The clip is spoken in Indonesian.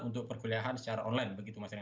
untuk perkuliahan secara online begitu mas rena